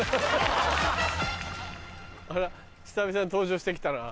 あら久々に登場してきたな。